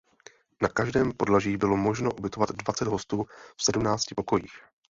Na každém podlaží bylo možno ubytovat dvacet hostů v sedmnácti pokojích.